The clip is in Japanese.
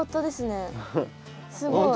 すごい。